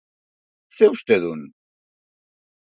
Zer uste dun?